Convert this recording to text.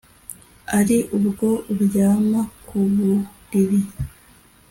ari ubwo uryama ku buriri